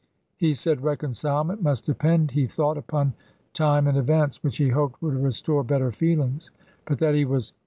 He said reconcilement must depend, he thought, upon time and events, which he hoped would restore better feelings, but that he was cer 104 ABRAHAM LINCOLN chap. v.